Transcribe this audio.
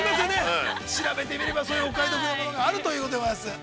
調べてみれば、そういうお買い得のものがあるということでございます。